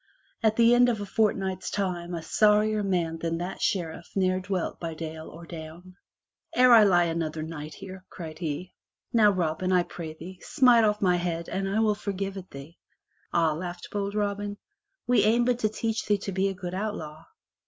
At the end of a fortnight's time a sorrier man than that Sheriff ne'er dwelt by dale or down. "Ere I lie another night here," cried he, "now, Robin, I pray thee, smite off mine head and I will forgive it thee." "Ah," laughed bold Robin. "We aim but to teach thee to be a good outlaw."